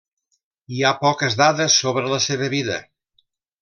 Hi ha poques dades sobre la seva vida.